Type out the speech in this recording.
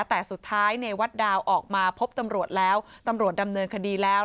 แต่สุดท้ายในวัดดาวออกมาพบตำรวจแล้วตำรวจดำเนินคดีแล้ว